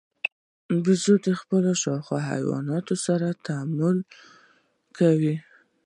بیزو د خپلو شاوخوا حیواناتو سره تعامل کوي.